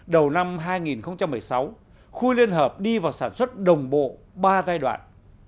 đầu năm hai nghìn một mươi sáu khu liên hợp đi vào sản xuất đồng bộ ba giai đoạn